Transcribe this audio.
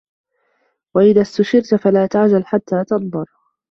وَإِذَا اُسْتُشِرْتَ فَلَا تُعَجِّلْ حَتَّى تَنْظُرَ